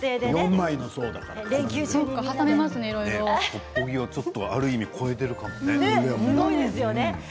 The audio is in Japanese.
トッポギをある意味超えているかもしれない。